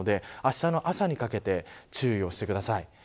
あしたの朝にかけて注意してください。